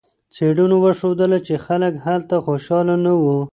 څېړنو وښودله چې خلک هلته خوشحاله نه وو.